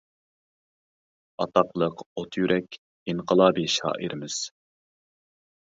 ئاتاقلىق «ئوت يۈرەك، ئىنقىلابىي شائىرىمىز» ز.